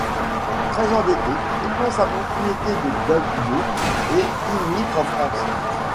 Très endetté, il vend sa propriété de Dubno et émigre en France.